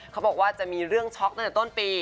เขาบอกว่าจะมีเรื่องช็อกตั้งแต่ต้นปี